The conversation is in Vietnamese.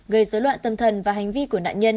gây dối loạn tâm thần và hành vi của nạn nhân